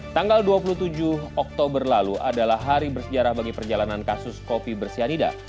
tanggal dua puluh tujuh oktober lalu adalah hari bersejarah bagi perjalanan kasus kopi bersianida